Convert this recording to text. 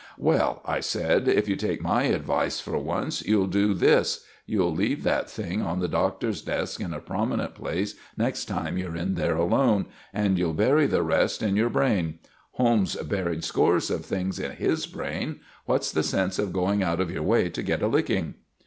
"Well," I said, "if you take my advice for once, you'll do this: You'll leave that thing on the Doctor's desk in a prominent place next time you're in there alone, and you'll bury the rest in your brain. Holmes buried scores of things in his brain. What's the sense of going out of your way to get a licking?"